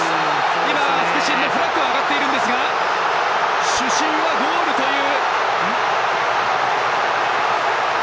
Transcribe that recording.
今、副審のフラッグが上がっているのですが主審はゴールという。